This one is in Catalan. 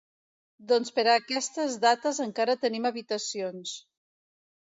Doncs per a aquestes dates encara tenim habitacions.